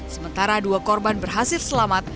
sementara dua korban berhasil selamat